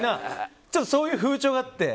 ちょっとそういう風潮があって。